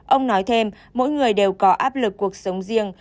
ông nói thêm mỗi người đều có áp lực cuộc sống riêng